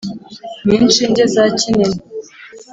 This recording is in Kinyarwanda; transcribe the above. n'inshinge za kinini.